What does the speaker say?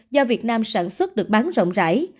do việt nam sản xuất được bán rộng rãi